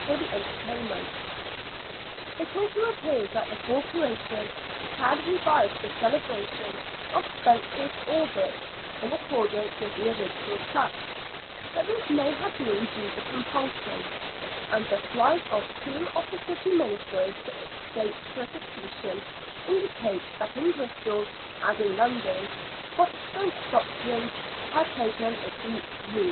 for the entertainments. It also appears that the Corporation had revived the celebration of Spencer's Obit in accordance with the original trust ; but this may have been due to compulsion ; and the flight of two of the city ministers to escape persecution indicates that in Bristol, as in London, Protestant doctrines had taken a deep root.